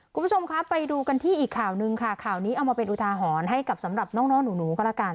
คุณผู้ชมครับไปดูกันที่อีกข่าวหนึ่งค่ะข่าวนี้เอามาเป็นอุทาหรณ์ให้กับสำหรับน้องหนูก็แล้วกัน